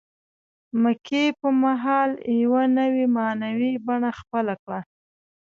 مکې په مهال یوه نوې معنوي بڼه خپله کړه.